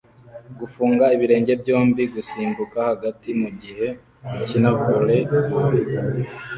Gufunga ibirenge byombi gusimbuka hagati mugihe ukina volly boll